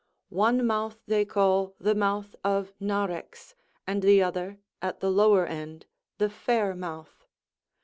One mouth they call the mouth of Narex, and the other, at the lower end, the Fair mouth.